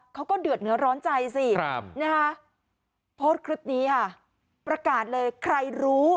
เขาก็เดือดเนื้อร้อนใจสินะคะโพสต์คลิปนี้ค่ะประกาศเลยใครรู้